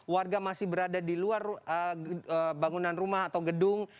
warga masih berada di luar bangunan rumah atau gedung